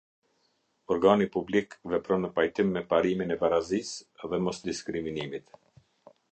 Organi publik vepron në pajtim me parimin e barazisë dhe mosdiskriminimit.